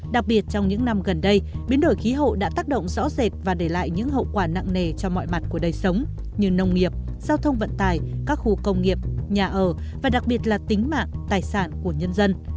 đặc biệt trong những năm gần đây biến đổi khí hậu đã tác động rõ rệt và để lại những hậu quả nặng nề cho mọi mặt của đời sống như nông nghiệp giao thông vận tài các khu công nghiệp nhà ở và đặc biệt là tính mạng tài sản của nhân dân